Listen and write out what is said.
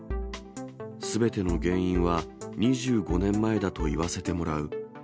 すべての原因は２５年前だと言わせてもらう。